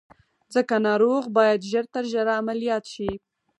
ځکه ناروغ بايد ژر تر ژره عمليات شي.